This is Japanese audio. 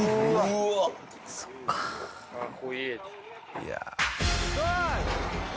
いや。